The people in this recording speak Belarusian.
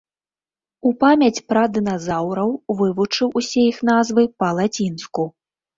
У памяць пра дыназаўраў вывучыў усе іх назвы па-лацінску.